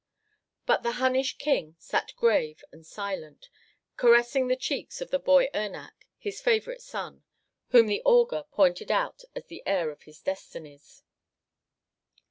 But the Hunnish king sat grave and silent, caressing the cheeks of the boy Ernak, his favorite son, whom the augur pointed out as the heir of his destinies.